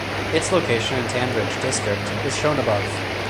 Its location in Tandridge District is shown above.